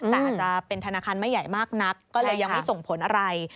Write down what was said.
แต่อาจจะเป็นธนาคารไม่ใหญ่มากนักก็เลยยังไม่ส่งผลอะไร